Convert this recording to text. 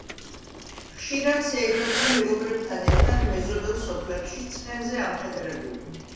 ხშირად სეირნობდა მეგობრებთან ერთად მეზობელ სოფლებში ცხენზე ამხედრებული.